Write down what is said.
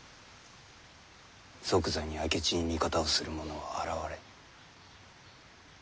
即座に明智に味方をする者は現れぬ。